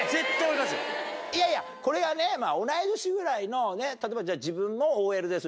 いやいやこれがね同い年ぐらいの例えば自分もＯＬです